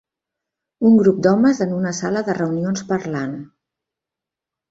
Un grup d'homes en una sala de reunions parlant.